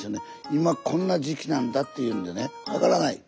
今こんな時期なんだっていうんでね。